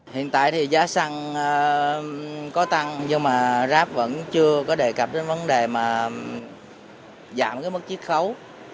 hiện tại thì giá xăng có tăng nhưng mà grab vẫn chưa có đề cập đến vấn đề mà giảm cái mức chiết khấu